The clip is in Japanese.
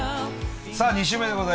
さあ２週目でございます。